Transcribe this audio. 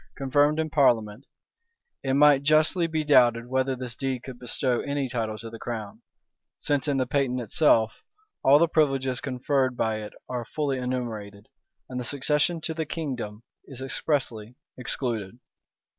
confirmed in parliament, it might justly be doubted whether this deed could bestow any title to the crown: since in the patent itself all the privileges conferred by it are fully enumerated, and the succession to the kingdom is expressly excluded.